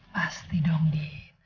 pasti dong di